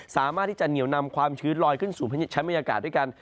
สามารถที่จะเหนียวนำความชื้นลอยขึ้นสู่ชั้นบรรยากาศด้วยกัน